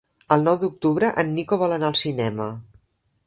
El nou d'octubre en Nico vol anar al cinema.